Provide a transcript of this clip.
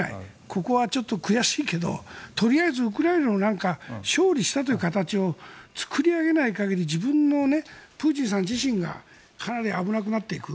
ここは悔しいけどとりあえずウクライナに勝利したという形を作り上げない限りプーチンさん自身がかなり危なくなっていく。